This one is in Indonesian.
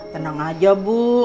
tenang aja bu